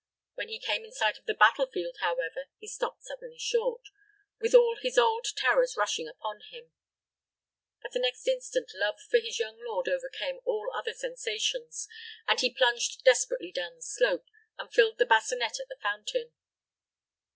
When he came in sight of the battle field, however, he stopped suddenly short, with all his old terrors rushing upon him; but the next instant love for his young lord overcame all other sensations, and he plunged desperately down the slope, and filled the bassinet at the fountain.